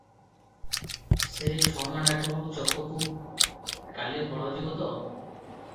ସେ ଛମାଣ ଆଠଗୁଣ୍ଠ ଚକକୁ କାଲି ହଳ ଯିବ ତ?"